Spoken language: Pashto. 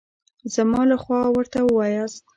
زما له خوا ورته ووایاست.